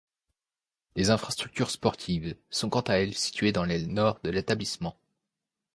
Les infrastructures sportives sont quant à elles situées dans l'aile nord de l'établissement.